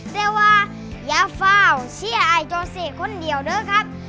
แต่ว่าอย่าเฝ้าเชื่อไอ้โจเซคนเดียวด้วยค่ะ